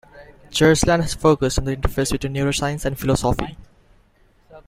Churchland has focused on the interface between neuroscience and philosophy.